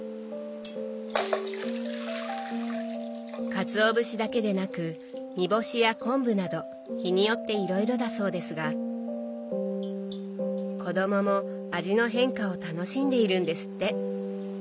かつお節だけでなく煮干しや昆布など日によっていろいろだそうですが子どもも味の変化を楽しんでいるんですって。